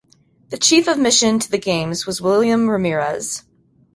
The chief of mission to the games was William Ramirez.